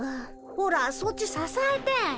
ほらそっちささえて。